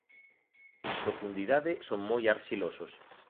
En profundidade son moi arxilosos.